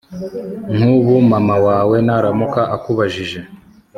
nkubu mama wawe naramuka akubajije